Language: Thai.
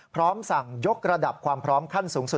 พร้อมสั่งยกระดับความพร้อมขั้นสูงสุด